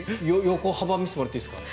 横幅見せてもらっていいですか？